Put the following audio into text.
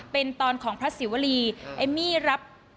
เป็นตอนของพระศิวรีเอมมี่รับ